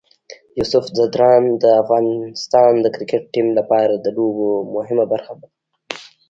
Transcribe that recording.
یوسف ځدراڼ د افغانستان د کرکټ ټیم لپاره د لوبو مهمه برخه ده.